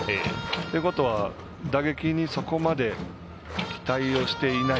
ということは、打撃にそこまで期待をしていない。